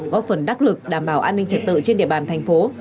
góp phần đắc lực đảm bảo an ninh trật tự trên địa bàn thành phố